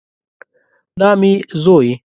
دا مې زوی